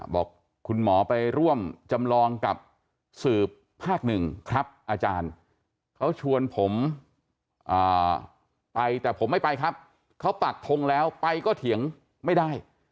บอกคุณหมอไปร่วมจำลองกับสืบภาคหนึ่งครับอาจารย์เขาชวนผมไปแต่ผมไม่ไปครับเขาปักทงแล้วไปก็เถียงไม่ได้